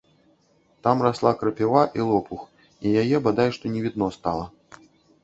Там расла крапіва і лопух, і яе бадай што і не відно стала.